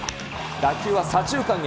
打球は左中間へ。